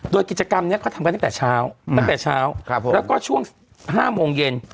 โดยกิจกรรมนี้เขาทำกันตั้งแต่เช้าแล้วก็ช่วง๕โมงเย็น